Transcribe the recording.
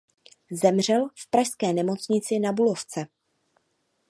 Zemřel v pražské Nemocnici Na Bulovce.